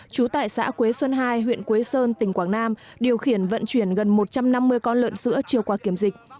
trú tại xã quế xuân hai huyện quế sơn tỉnh quảng nam điều khiển vận chuyển gần một trăm năm mươi con lợn sữa chưa qua kiểm dịch